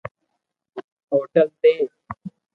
ھوٽل تي